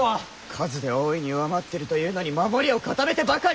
数で大いに上回ってるというのに守りを固めてばかり！